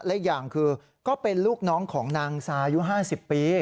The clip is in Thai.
และอีกอย่างคือก็เป็นลูกน้องของนางซายุ๕๐ปี